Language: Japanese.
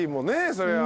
そりゃ。